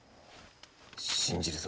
「信じるぞ」